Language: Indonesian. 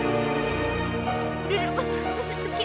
udah lepas lepas